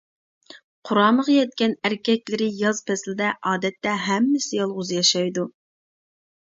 قۇرامىغا يەتكەن ئەركەكلىرى ياز پەسلىدە ئادەتتە ھەممىسى يالغۇز ياشايدۇ.